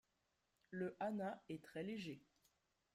Le anna est très léger.